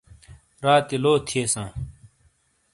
راتی لو تھِیاساں۔